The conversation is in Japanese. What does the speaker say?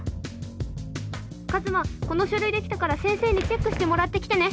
カズマこの書類できたから先生にチェックしてもらってきてね。